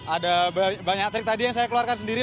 ada banyak trik tadi yang saya keluarkan sendiri